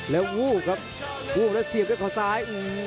และวู้ครับและเสียงด้วยขวาซ้าย